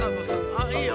あっいいよ。